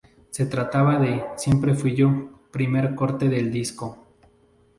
Se trataba de "Siempre fui yo", primer corte del disco.